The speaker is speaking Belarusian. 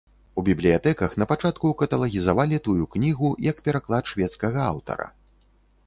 У бібліятэках напачатку каталагізавалі тую кнігу як пераклад шведскага аўтара.